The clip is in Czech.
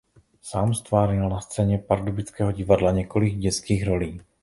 Sám ztvárnil na scéně pardubického divadla několik dětských rolí.